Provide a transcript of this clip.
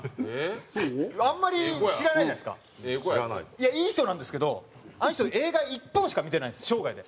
いやいい人なんですけどあの人映画１本しか見てないんです生涯で。